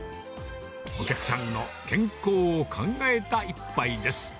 お客さんの健康を考えた一杯です。